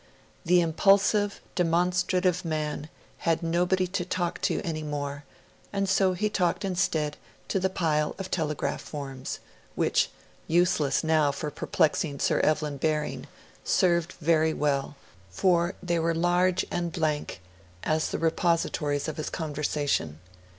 The impulsive, demonstrative man had nobody to talk to any more, and so he talked instead to the pile of telegraph forms, which, useless now for perplexing Sir Evelyn Baring, served very well for they were large and blank as the repositories of his conversation.